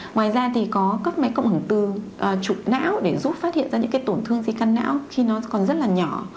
ngoài ra thì có các máy cộng hưởng từ chụp não để giúp phát hiện ra những cái tổn thương di căn não khi nó còn rất là nhỏ